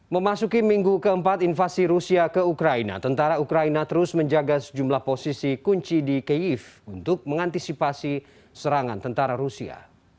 memasuki minggu keempat invasi rusia ke ukraina tentara ukraina terus menjaga sejumlah posisi kunci di kiev untuk mengantisipasi serangan tentara rusia